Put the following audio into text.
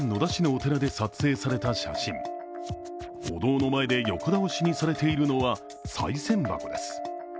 お堂の前で横倒しにされているのはさい銭箱です。